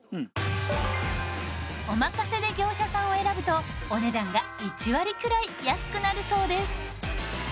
おまかせで業者さんを選ぶとお値段が１割くらい安くなるそうです。